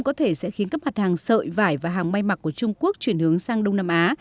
có thể sẽ khiến các mặt hàng sợi vải và hàng may mặc của trung quốc chuyển hướng sang đông nam á